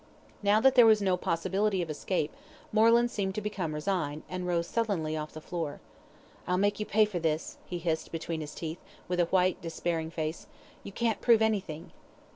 Now that there was no possibility of escape, Moreland seemed to become resigned, and rose sullenly off the floor. "I'll make you pay for this," he hissed between hie teeth, with a white despairing face. "You can't prove anything."